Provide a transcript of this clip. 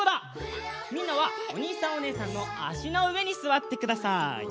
みんなはおにいさんおねえさんのあしのうえにすわってください。